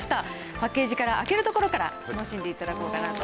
パッケージから、開けるところから楽しんでいただこうかなと。